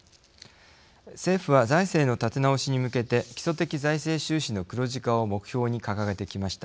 政府は財政の立て直しに向けて基礎的財政収支の黒字化を目標に掲げてきました。